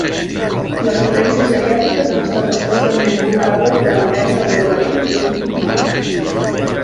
Les residències geriàtriques han estat especialment vulnerables a la pandèmia del coronavirus dos mil dinou.